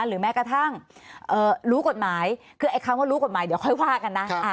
หรือแม้กระทั่งรู้กฎหมายคือไอ้คำว่ารู้กฎหมายเดี๋ยวค่อยว่ากันนะ